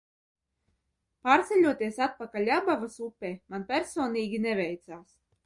Pārceļoties atpakaļ Abavas upei, man personīgi neveicās.